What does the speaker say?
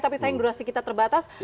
tapi sayang durasi kita terbatas